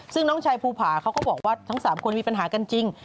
ซึ่งน้องชายภูผาเขาก็บอกว่าทั้ง๓คนมีปัญหากันจริง